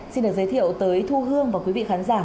xin được giới thiệu tới thu hương và quý vị khán giả